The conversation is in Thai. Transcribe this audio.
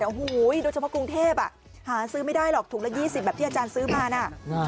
โอ้โหโดยเฉพาะกรุงเทพหาซื้อไม่ได้หรอกถุงละ๒๐แบบที่อาจารย์ซื้อมานะ